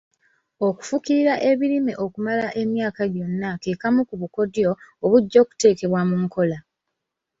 Okufukirira ebirime okumala emyaka gyonna ke kamu ku bukodyo obujja okuteekebwa mu nkola.